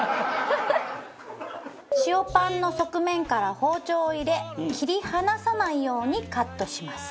塩パンの側面から包丁を入れ切り離さないようにカットします。